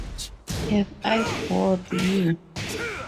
Have I bored you?